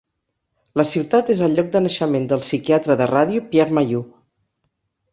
La ciutat és el lloc de naixement del psiquiatre de ràdio Pierre Mailloux.